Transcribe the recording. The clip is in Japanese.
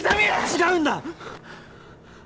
違うんだ！